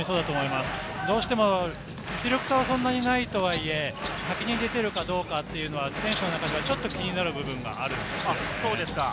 どうしても実力差はそんなにないとはいえ、先に出ているかどうかというのは選手の中では気になる部分があるんですよね。